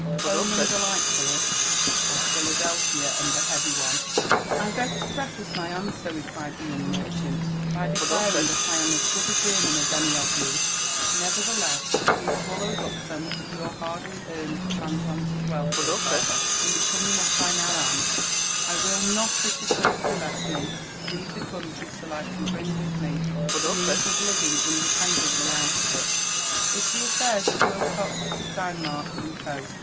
— Home and a light purseT —or Philadelphia and a heavy one?" " I beg to preface my answer," replied the young merchant, " by declaring that I am as good a German as any of ye. Nevertheless, having swallowed up so much of your hardly eamed tranaaUaotic JONATHAN JEFFERSON WHJTLAW. m Wealth, ^ear fcflier, in becoming 'what I now am, I will not, if thp choice be left me, leave the country till I can bring with me the means of living independently out of it. If the affairs of Wilcox, Steinmark and Go.